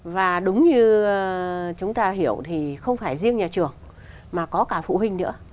và đúng như chúng ta hiểu thì không phải riêng nhà trường mà có cả phụ huynh nữa